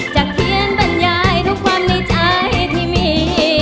จะเขียนบรรยายทุกความในใจที่มี